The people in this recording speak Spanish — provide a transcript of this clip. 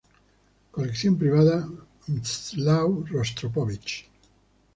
Colección privada Mstislav Rostropovich.